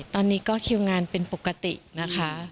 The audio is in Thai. ตอนนี้ก็คิวงานเป็นปกตินะคะ